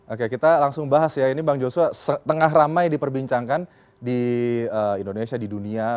oke kita langsung bahas ya ini bang joshua tengah ramai diperbincangkan di indonesia di dunia